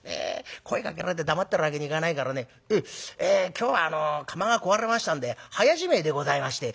声かけられて黙ってるわけにいかないからね『今日はあの釜が壊れましたんで早じめえでございまして』。